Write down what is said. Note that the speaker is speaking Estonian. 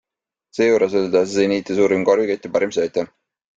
Seejuures oli ta Zeniti suurim korvikütt ja parim söötja.